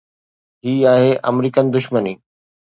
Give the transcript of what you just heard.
هي آهي آمريڪن دشمني.